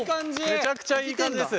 めちゃくちゃいい感じです。